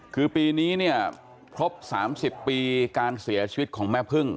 คือปีนี้เนี่ยครบ๓๐ปีการเสียชีวิตของแม่พึ่ง